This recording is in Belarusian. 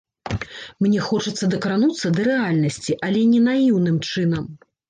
Мне хочацца дакрануцца да рэальнасці, але не наіўным чынам.